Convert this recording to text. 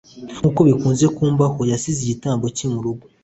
nkuko bikunze kumubaho, yasize igitabo cye murugo